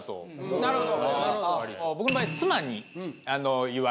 なるほど。